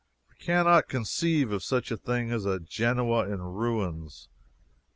I can not conceive of such a thing as Genoa in ruins.